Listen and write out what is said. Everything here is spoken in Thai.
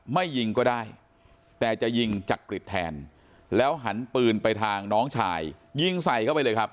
ไม่ยิงก็ได้แต่จะยิงจักริตแทนแล้วหันปืนไปทางน้องชายยิงใส่เข้าไปเลยครับ